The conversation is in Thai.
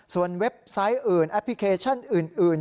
เว็บไซต์อื่นแอปพลิเคชันอื่น